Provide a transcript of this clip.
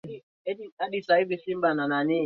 ambao naelezwa kwamba waziri wa michezo wa nchi hiyo